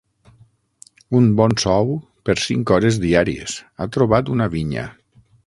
Un bon sou per cinc hores diàries: ha trobat una vinya!